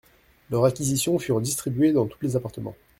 Leurs acquisitions furent distribuées dans tous les appartements.